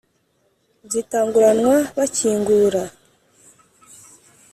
Zitanguranwa bakingura.